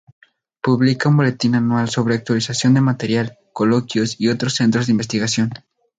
Publica un boletín anual sobre actualización de material, coloquios y otros centros de investigación.